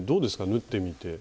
縫ってみて。